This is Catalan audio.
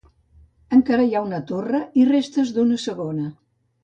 Encara hi ha una torre i restes d'una segona.